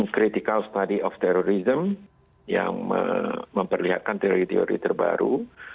critical study of terrorism yang memperlihatkan teori teori terbaru